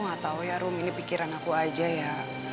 enggak tahu ya rum ini pikiran aku aja ya